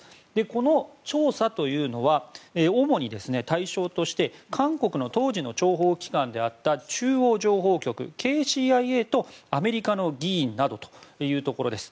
その調査というのは主に対象として韓国の当時の諜報機関であった中央情報局・ＫＣＩＡとアメリカの議員などというところです。